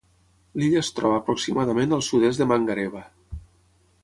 L'illa es troba aproximadament al sud-est de Mangareva.